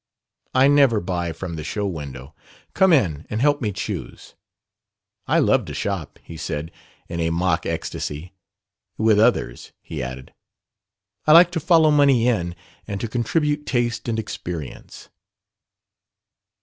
"I never buy from the show window. Come in, and help me choose." "I love to shop," he said, in a mock ecstasy. "With others," he added. "I like to follow money in and to contribute taste and experience."